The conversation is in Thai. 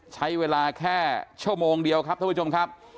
ใช้เวลาแค่ชั่วโมงเดียวครับท่านผู้ชมครับ